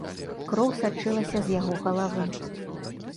Кроў сачылася з яго галавы.